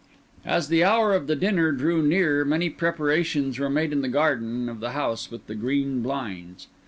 As the hour of the dinner drew near many preparations were made in the garden of the house with the green blinds.